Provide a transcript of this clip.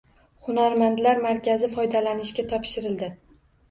“Hunarmandlar markazi” foydalanishga topshirildi